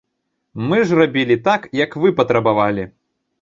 Мы ж рабілі так, як вы патрабавалі!